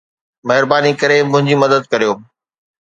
مهرباني ڪري منهنجي مدد ڪريو